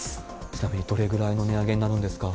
ちなみにどれぐらいの値上げになるんですか？